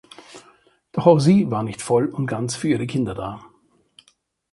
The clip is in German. Doch auch sie war nicht voll und ganz für ihre Kinder da.